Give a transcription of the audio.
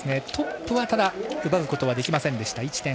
トップは奪うことはできませんでした。